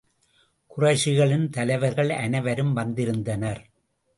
குறைஷிகளின் தலைவர்கள் அனைவரும் வந்திருந்தனர்.